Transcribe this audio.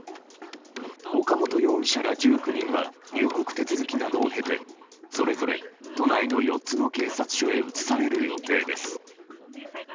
岡本容疑者ら１９人は入国手続きなどを経てそれぞれ都内の４つの警察署へ移される予定です。